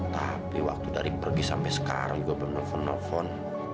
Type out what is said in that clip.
tapi waktu dari pergi sampe sekarang gua bernelfon nelfon